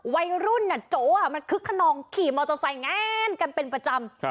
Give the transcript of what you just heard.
วัยรุ่นโจ๊มันคึกขนองขี่มอเตอร์ไซค์งานกันเป็นประจำ